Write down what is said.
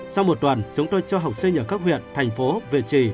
sau một tuần chúng tôi cho học sinh ở các huyện thành phố về trì